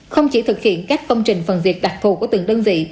không chỉ thực hiện các công trình phần việc đặc thù của từng đơn vị